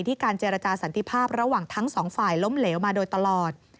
การเจรจาสันติภาพระหว่างทั้งสองฝ่ายล้มเหลวมาโดยตลอด